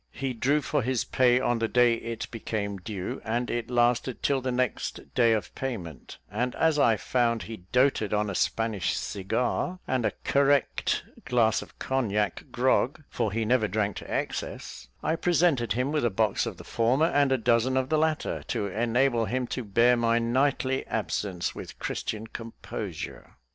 He drew for his pay on the day it became due, and it lasted till the next day of payment; and as I found he doated on a Spanish cigar, and a correct glass of cognac grog for he never drank to excess I presented him with a box of the former, and a dozen of the latter, to enable him to bear my nightly absence with Christian composure.